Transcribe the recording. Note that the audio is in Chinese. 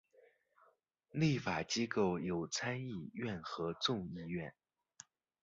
立法机构有参议院和众议院。